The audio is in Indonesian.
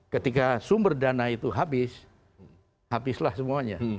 ketika sumber dana itu habis habislah semuanya